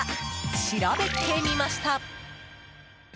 調べてみました。